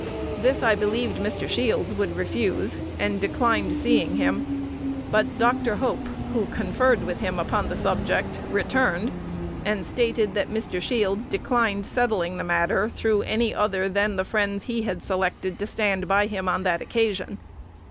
This I believed Mr. Shields would refuse, and declined seeing him; but Dr. Hope, who conferred with him upon the subject, returned, and stated that Mr. Shields declined settling the matter through any other than the friends he had selected to stand by him on that occasion.